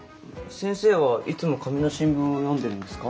先生はいつも紙の新聞を読んでるんですか？